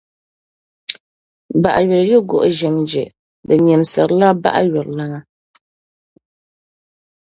Baɣayuli yi guhi ʒim je, di nyimsirila baɣayulilana.